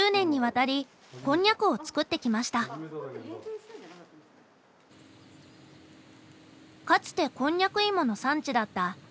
かつてこんにゃく芋の産地だった芦川町。